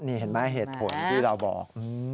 นี่เห็นไหมเหตุผลที่เราบอก